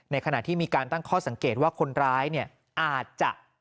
ขณะที่มีการตั้งข้อสังเกตว่าคนร้ายเนี่ยอาจจะ